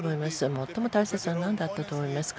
もっとも大切なことはなんだったと思いますか？